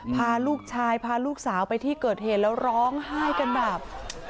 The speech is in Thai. พาลูกชายพาลูกสาวไปที่เกิดเหตุแล้วร้องไห้กันแบบ